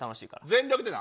全力でな。